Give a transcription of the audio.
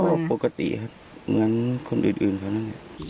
ก็ปกติครับเหมือนคนอื่นเขานั่นแหละ